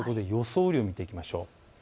雨量を見ていきましょう。